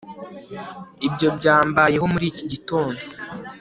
Ibyo byambayeho muri iki gitondo